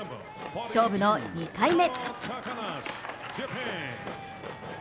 勝負の２回目。